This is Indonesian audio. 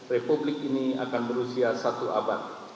republik ini akan berusia satu abad